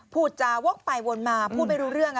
พูดจาวกไปวนมาพูดไม่รู้เรื่อง